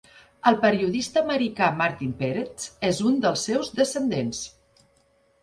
El periodista americà Martin Peretz és un dels seus descendents.